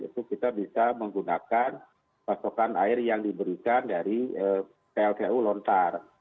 itu kita bisa menggunakan pasokan air yang diberikan dari pltu lontar